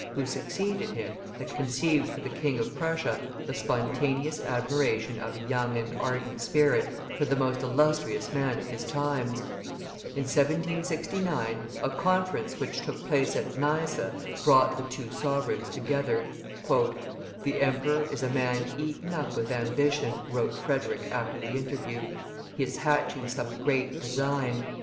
who succeeded him, had conceived for the King of Prussia the spontaneous admiration of a young and ardent spirit for the most illustrious man of his times. In 1769, a conference which took place at Neisse brought the two sovereigns together. "The emperor is a man eaten up with ambition," wrote Frederick after the interview; "he is hatching some great design.